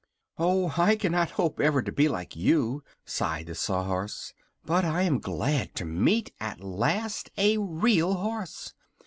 "Oh, I cannot hope ever to be like you," sighed the Sawhorse. "But I am glad to meet at last a Real Horse.